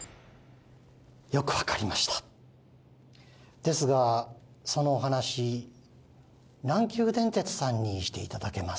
よく分かりましたですがそのお話南急電鉄さんにしていただけます？